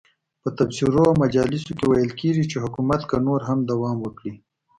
په تبصرو او مجالسو کې ویل کېږي چې حکومت که نور هم دوام وکړي.